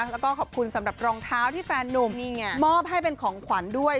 แล้วก็ขอบคุณสำหรับรองเท้าที่แฟนนุ่มมอบให้เป็นของขวัญด้วย